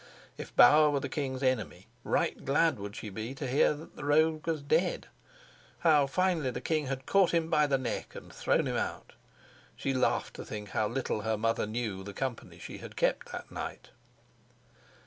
If Bauer were the king's enemy, right glad would she be to hear that the rogue was dead. How finely the king had caught him by the neck and thrown him out! She laughed to think how little her mother knew the company she had kept that night.